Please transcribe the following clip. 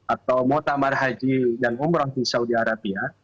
atau motamar haji dan umrah di saudi arabia